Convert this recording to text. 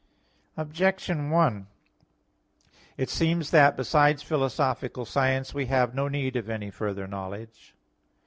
Objection 1: It seems that, besides philosophical science, we have no need of any further knowledge.